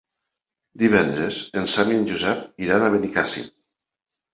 Divendres en Sam i en Josep iran a Benicàssim.